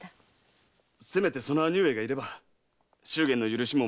せめてその兄上がいれば祝言の許しももらえるのですが。